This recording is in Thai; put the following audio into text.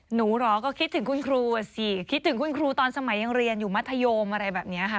เหรอก็คิดถึงคุณครูอ่ะสิคิดถึงคุณครูตอนสมัยยังเรียนอยู่มัธยมอะไรแบบนี้ค่ะ